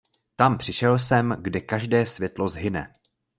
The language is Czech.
Tam přišel jsem, kde každé světlo zhyne.